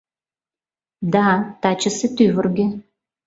Да тачысе тӱвыргӧ